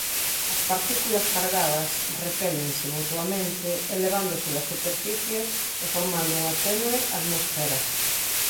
As partículas cargadas repélense mutuamente elevándose da superficie e formando unha tenue atmosfera.